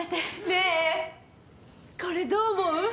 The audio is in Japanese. ねえこれどう思う？